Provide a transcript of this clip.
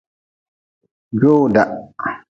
Jowda.